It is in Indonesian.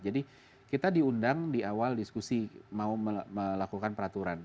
jadi kita diundang di awal diskusi mau melakukan peraturan